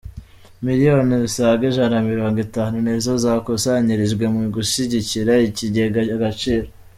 Miliyoni zisaga Ijana Mirongo Itanu nizo zakusanyirijwe mu gushyigikira Icyigega Agaciro